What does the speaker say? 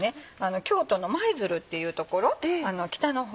京都の舞鶴っていう所北の方